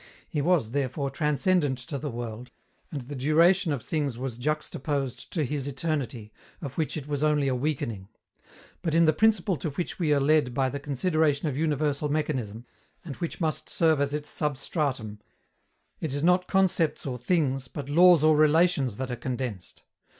He was, therefore, transcendent to the world, and the duration of things was juxtaposed to His eternity, of which it was only a weakening. But in the principle to which we are led by the consideration of universal mechanism, and which must serve as its substratum, it is not concepts or things, but laws or relations that are condensed.